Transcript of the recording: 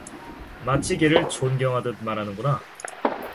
마치 걔를 존경하듯 말하는구나.